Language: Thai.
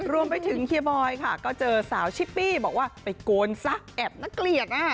รวมไปถึงเคียบอยค่ะก็เจอสาวชิปปี้บอกว่าไปโกนซะแอบนักเหลียกอ่ะ